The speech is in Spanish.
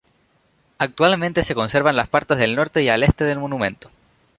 Actualmente se conservan las partes del norte y el este del monumento.